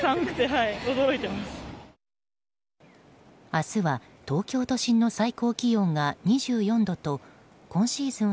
明日は東京都心の最高気温が２４度と今シーズン